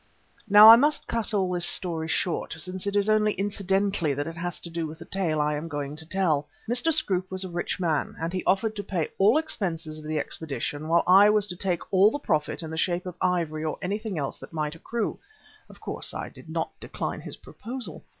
Now I must cut all this story short, since it is only incidentally that it has to do with the tale I am going to tell. Mr. Scroope was a rich man and as he offered to pay all the expenses of the expedition while I was to take all the profit in the shape of ivory or anything else that might accrue, of course I did not decline his proposal.